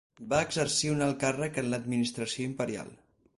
Va exercir un alt càrrec en l'administració imperial.